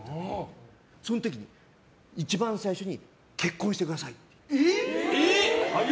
その時に、一番最初に結婚してくださいって。